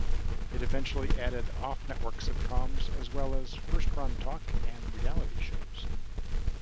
It eventually added off-network sitcoms, as well as first-run talk and reality shows.